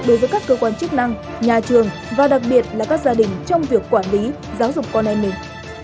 đối với các cơ quan chức năng nhà trường và đặc biệt là các gia đình trong việc quản lý giáo dục con em mình